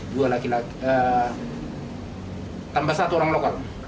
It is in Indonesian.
dua laki laki tambah satu orang lokal